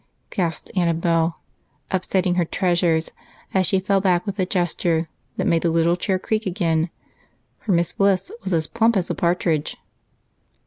gasped Annabel, upsetting her treasures as she fell back with a gesture that made the little chair creak again, for Miss Bliss was as plump as a partridge.